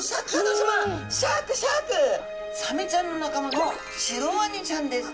サメちゃんの仲間のシロワニちゃんです。